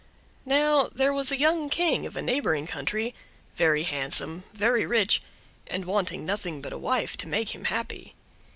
Now there was a young King of a neighboring country, very handsome, very rich, and wanting nothing but a wife to make him happy.